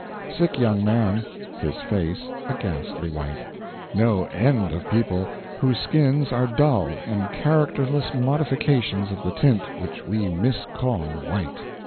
Sick young man. His face a ghastly white. No end of people whose skins are dull and characterless modifications of the tint which we miscall white.